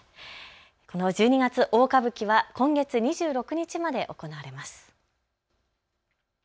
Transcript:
十二月大歌舞伎は今月２６日まで行われます。